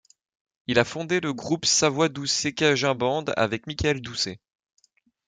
Il a fondé le groupe Savoy-Doucet Cajun Band avec Michael Doucet.